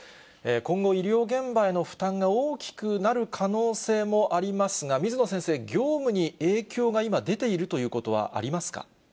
今後、医療現場への負担が大きくなる可能性もありますが、水野先生、業務に影響が今、出ているということはありますか。